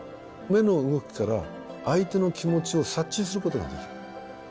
目の動きから相手の気持ちを察知することができる。